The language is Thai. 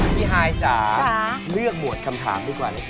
พี่ฮายจ๋าเลือกหมวดคำถามดีกว่านะจ๊ะ